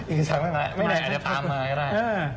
อิคิวซังได้มาไม่ได้อาจจะตามมาก็ได้